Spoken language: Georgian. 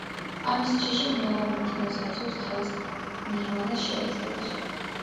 ამისი შიში მრავალ მორწმუნეს აიძულებს, თავის ნირვანას შეეწიროს.